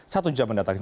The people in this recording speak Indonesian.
satu jam mendatang